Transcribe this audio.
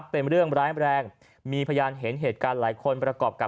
เป็นเรื่องร้ายแรงมีพยานเห็นเหตุการณ์หลายคนประกอบกับ